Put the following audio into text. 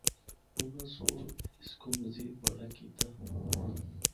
اُناں سنڑ اس کو مزید بڑا کیتا۔